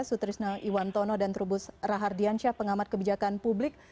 sutrisna iwantono dan turubus rahardiansyah pengamat kebijakan publik